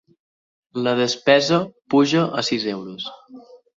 La despesa puja a sis euros.